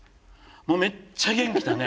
もうめっちゃ元気だね。